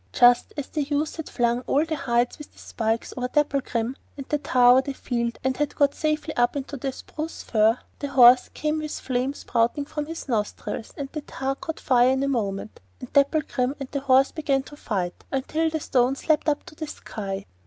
Just as the youth had flung all the hides with the spikes over Dapplegrim, and the tar over the field, and had got safely up into the spruce fir, a horse came with flame spouting from his nostrils, and the tar caught fire in a moment; and Dapplegrim and the horse began to fight until the stones leapt up to the sky.